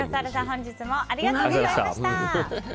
本日もありがとうございました。